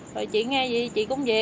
rồi chị nghe gì chị cũng về